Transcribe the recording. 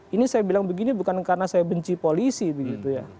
ini saya bilang begini bukan karena saya benci polisi begitu ya